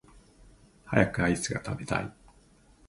早くアイスが食べたい